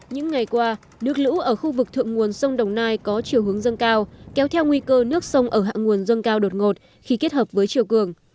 những ngày qua nước lũ ở khu vực thượng nguồn sông đồng nai có chiều hướng dâng cao kéo theo nguy cơ nước sông ở hạ nguồn dâng cao đột ngột khi kết hợp với chiều cường